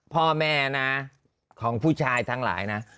พ่อแม่นะของผู้ชายทั้งหลายนะ